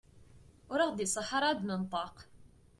Ur aɣ-d-iṣaḥ ara ad d-nenṭeq.